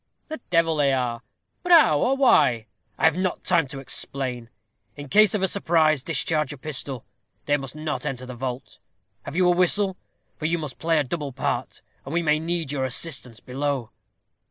"The devil they are. But how, or why " "I have not time to explain. In case of a surprise, discharge a pistol; they must not enter the vault. Have you a whistle? for you must play a double part, and we may need your assistance below."